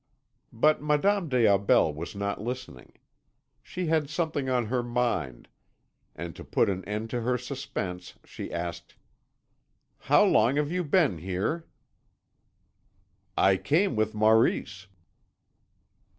But Madame des Aubels was not listening. She had something on her mind, and to put an end to her suspense, she asked: "How long have you been here?" "I came with Maurice."